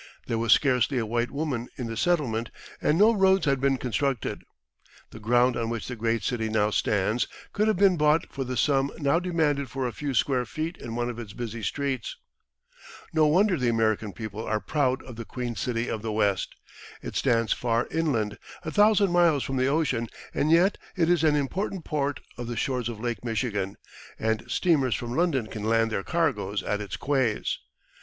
There was scarcely a white woman in the settlement, and no roads had been constructed. The ground on which the great city now stands could have been bought for the sum now demanded for a few square feet in one of its busy streets. No wonder the American people are proud of "the Queen City of the West." It stands far inland, a thousand miles from the ocean, and yet it is an important port on the shores of Lake Michigan, and steamers from London can land their cargoes at its quays.